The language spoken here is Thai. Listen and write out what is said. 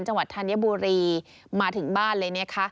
จังหวัดธัญบุรีมาถึงบ้านเลย